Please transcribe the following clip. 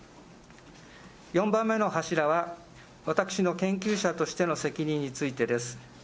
４番目の柱は、私の研究者としての責任についてです。